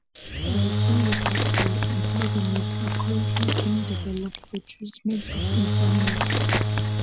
Orexin-receptor antagonists are currently being developed for the treatment of insomnia.